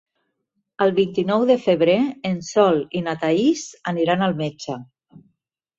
El vint-i-nou de febrer en Sol i na Thaís aniran al metge.